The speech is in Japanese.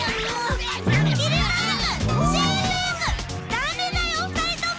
ダメだよ２人とも！